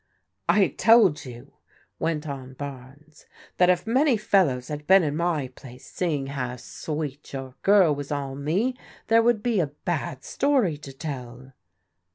" I told you," went on Barnes, " that if many fellows had been in my place, seeing how sweet your girl was on me, there would be a bad story to tell."